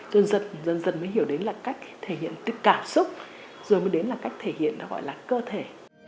dần dần dần dần mới hiểu đến là cách thể hiện tức cảm xúc rồi mới đến là cách thể hiện nó gọi là cơ thể